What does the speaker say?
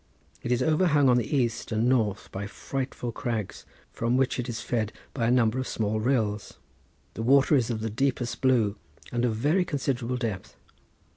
It is overhung on the east and north by frightful crags, from which it is fed by a number of small rills. The water is of the deepest blue and of very considerable depth.